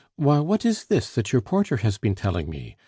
"Why, what is this that your porter has been telling me?